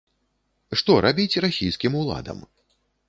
Што рабіць расійскім уладам?